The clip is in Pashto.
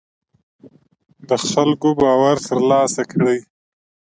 د خلکو باور تر لاسه کړئ